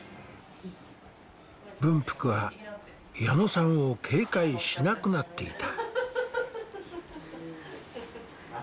文福は矢野さんを警戒しなくなっていた。